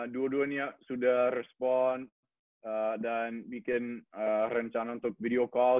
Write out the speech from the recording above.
dua duanya sudah respon dan bikin rencana untuk video call